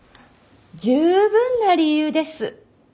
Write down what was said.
十分な理由です。